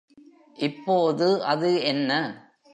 இப்போது அது என்ன?